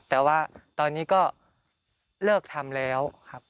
แต่ว่าตอนนี้ก็เลิกทำแล้วครับ